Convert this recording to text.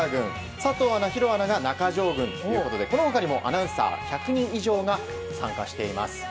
佐藤アナ、弘アナが中条軍ということでこの他にもアナウンサー１００人以上参加しています。